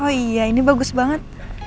oh iya ini bagus banget